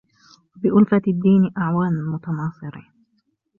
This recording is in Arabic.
وَبِأُلْفَةِ الدِّينِ أَعْوَانًا مُتَنَاصِرِينَ